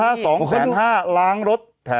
อ่าเขาลงนี่อ่ะ